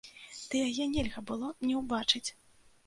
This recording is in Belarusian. Ды яе нельга было не ўбачыць!